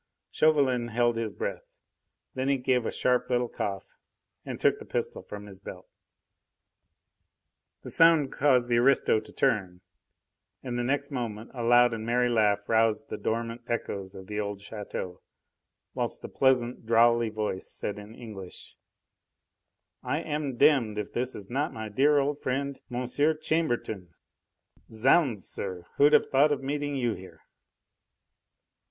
Chauvelin held his breath; then he gave a sharp little cough, and took the pistol from his belt. The sound caused the aristo to turn, and the next moment a loud and merry laugh roused the dormant echoes of the old chateau, whilst a pleasant, drawly voice said in English: "I am demmed if this is not my dear old friend M. Chambertin! Zounds, sir! who'd have thought of meeting you here?"